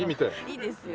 いいですよ。